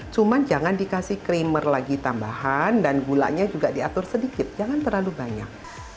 cuman jangan dikasih krimer lagi tambahan dan gulanya juga diatur sedikit jangan terlalu banyak